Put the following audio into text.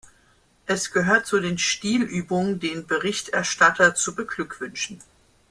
Es gehört zu den Stilübungen, den Berichterstatter zu beglückwünschen.